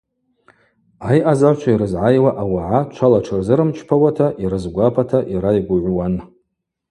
Айъазагӏвчва йрызгӏайуа ауагӏа чвала тшырзырымчпауата йрызгвапата йрайгвыгӏвуан.